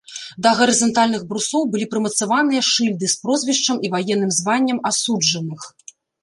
Да гарызантальных брусоў былі прымацаваныя шыльды з прозвішчам і ваенным званнем асуджаных.